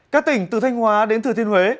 các tỉnh từ thanh hóa đến thừa thiên huế